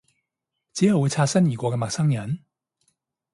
只係會擦身而過嘅陌生人？